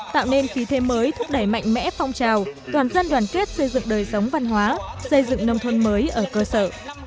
tạo nên khí thế mới thúc đẩy mạnh mẽ phong trào toàn dân đoàn kết xây dựng đời sống văn hóa xây dựng nông thôn mới ở cơ sở